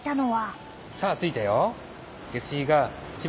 さあ着いたよ。